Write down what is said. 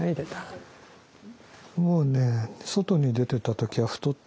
もうね外に出てた時は太ってた。